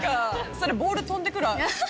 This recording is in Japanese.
そりゃボール飛んでくる。